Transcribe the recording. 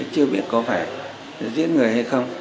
chưa biết có phải giết người hay không